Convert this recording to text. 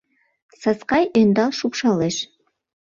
Саскай ӧндал шупшалеш: